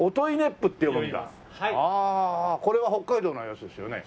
これは北海道のやつですよね？